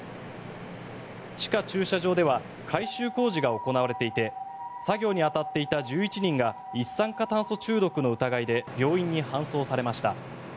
地下駐車場では改修工事が行われていて作業に当たっていた１１人が一酸化炭素中毒の疑いで病院に搬送されました。